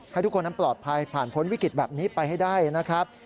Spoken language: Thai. ให้ทุกคนนั้นปลอดภัยผ่านพ้นวิกฤตแบบนี้ไปให้ได้นะครับ